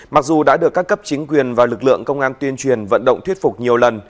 mặc dù đã được các cấp chính quyền và lực lượng công an tuyên truyền vận động thuyết phục nhiều lần